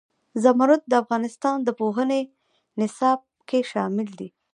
زمرد د افغانستان د پوهنې نصاب کې شامل دي.